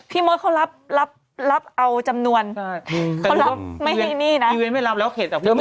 พี่มดเขารับเอาจำนวนพี่เว้นไม่รับแล้วเขตจากภูมิเลยนะ